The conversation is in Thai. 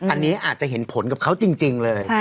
อันนี้อาจจะเห็นผลกับเขาจริงเลย